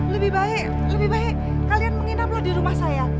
lebih baik lebih baik kalian menginaplah di rumah saya